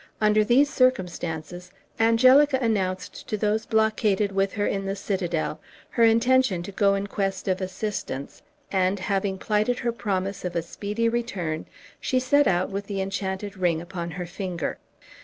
Under these circumstances Angelica announced to those blockaded with her in the citadel her intention to go in quest of assistance, and, having plighted her promise of a speedy return, she set out, with the enchanted ring upon her finger.